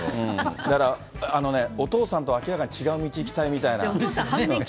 だから、あのね、お父さんと明らかに違う道行きたいみたいな。